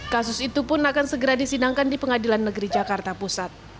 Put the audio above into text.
kasus itu pun akan segera disidangkan di pengadilan negeri jakarta pusat